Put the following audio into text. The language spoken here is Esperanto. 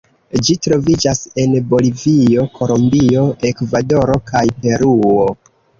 Ĝi troviĝas en Bolivio, Kolombio, Ekvadoro kaj Peruo.